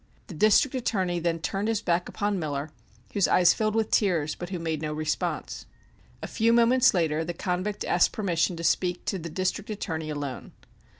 The District Attorney then turned his back upon Miller, whose eyes filled with tears, but who made no response. A few moments later the convict asked permission to speak to the District Attorney alone.